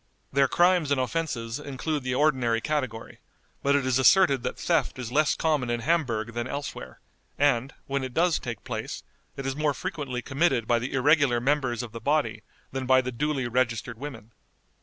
Their crimes and offenses include the ordinary category, but it is asserted that theft is less common in Hamburg than elsewhere, and, when it does take place, it is more frequently committed by the irregular members of the body than by the duly registered women.